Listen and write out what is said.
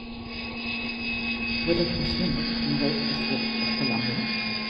Will it be humid in Weippe District Of Columbia?